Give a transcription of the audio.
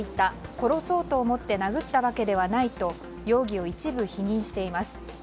殺そうと思って殴ったわけではないと容疑を一部否認しています。